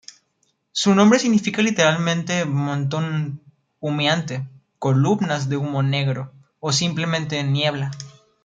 Su nombre significa literalmente "montón humeante", "columnas de humo negro" o simplemente "niebla".